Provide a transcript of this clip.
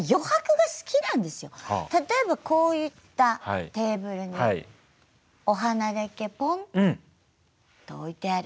例えばこういったテーブルにお花だけポンと置いてある。